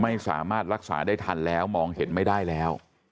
ไม่สามารถรักษาได้ทันแล้วมองเห็นไม่ได้แล้ว